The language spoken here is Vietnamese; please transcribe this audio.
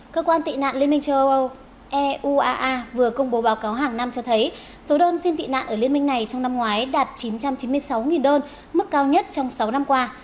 cơ quan tị nạn liên minh châu âu ea vừa công bố báo cáo hàng năm cho thấy số đơn xin tị nạn ở liên minh này trong năm ngoái đạt chín trăm chín mươi sáu đơn mức cao nhất trong sáu năm qua